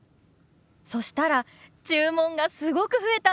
そしたら注文がすごく増えたんですよ。